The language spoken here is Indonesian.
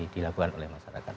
dilakukan oleh masyarakat